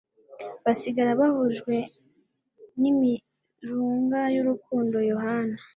basigara bahujwe n imirunga y urukundo yohana